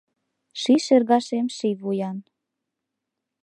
Ший шергашем ший вуян -